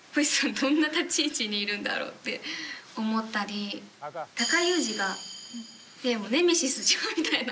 どんな立ち位置にいるんだろうって思ったりタカ・ユージがネメシスじゃんみたいな。